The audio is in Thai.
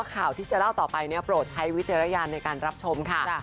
ค่าวที่จะเล่าต่อไปปลดใช้วิทยาลัยียันในการรับชมค่ะ